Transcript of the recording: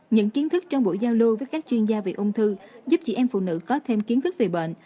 những kiến thức trong buổi giao lưu với các chuyên gia về ung thư giúp chị em phụ nữ có thêm kiến thức về bệnh